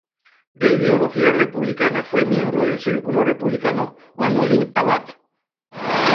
De ideología republicana, fue miembro del "Círculo Republicano Manolín Abad".